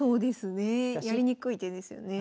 やりにくい手ですよね。